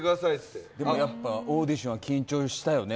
やっぱ、オーディションは緊張したよね